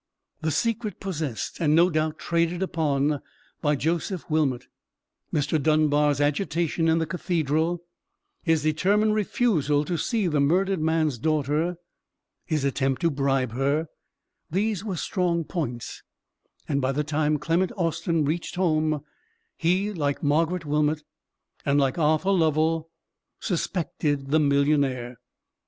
The secret possessed, and no doubt traded upon, by Joseph Wilmot; Mr. Dunbar's agitation in the cathedral; his determined refusal to see the murdered man's daughter; his attempt to bribe her—these were strong points: and by the time Clement Austin reached home, he—like Margaret Wilmot, and like Arthur Lovell—suspected the millionaire.